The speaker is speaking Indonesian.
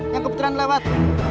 yang kebetulan lewat